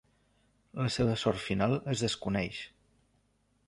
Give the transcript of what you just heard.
La seva sort final es desconeix.